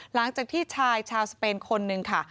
หลังจากที่ชายชาวสเปนคนนึงค่ะ